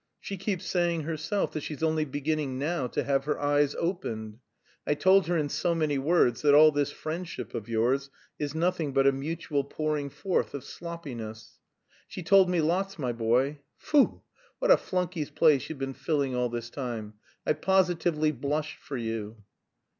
She keeps saying herself that she's only beginning now to 'have her eyes opened.' I told her in so many words that all this friendship of yours is nothing but a mutual pouring forth of sloppiness. She told me lots, my boy. Foo! what a flunkey's place you've been filling all this time. I positively blushed for you."